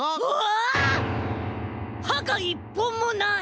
あっ！はが１ぽんもない！